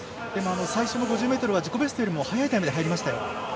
最初の５０ｍは自己ベストより速いタイムで入りましたよ。